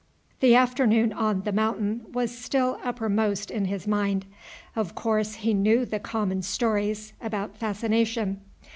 The afternoon on The Mountain was still upper most in his mind. Of course he knew the common stories about fascination.